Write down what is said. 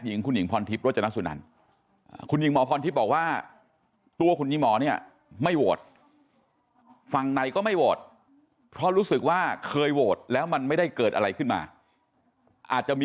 หนึ่งเลยนะขออนุญาตเก๋ยนัมหนึ่งเลยนะคุยกันในเปิดปล่ากับภาพภุม